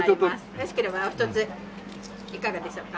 よろしければお一ついかがでしょうか？